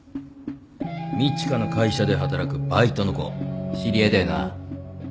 路加の会社で働くバイトの子知り合いだよな？